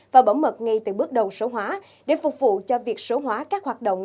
và bảo mật ngay từ bước đầu số hóa để phục vụ cho việc số hóa các hoạt động